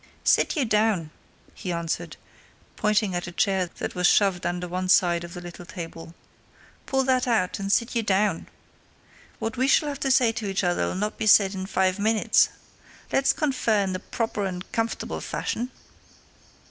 "Sit you down," he answered, pointing at a chair that was shoved under one side of the little table. "Pull that out and sit you down. What we shall have to say to each other'll not be said in five minutes. Let's confer in the proper and comfortable fashion."